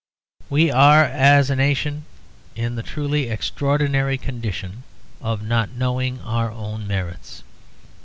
We are, as a nation, in the truly extraordinary condition of not knowing our own merits.